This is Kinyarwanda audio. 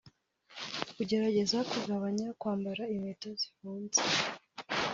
ugerageza kugabanya kwambara inkweto zifunze